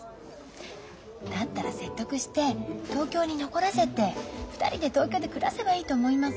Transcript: だったら説得して東京に残らせて２人で東京で暮らせばいいと思います。